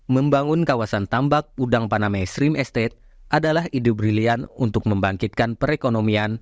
membangun kawasan tambak udang panama stream estate adalah ide brilian untuk membangkitkan perekonomian